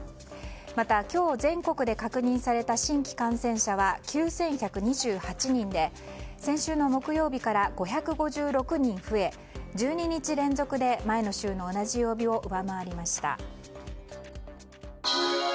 また、今日全国で確認された新規感染者は９１２８人で先週の木曜日から５５６人増え１２日連続で前の週の同じ曜日を上回りました。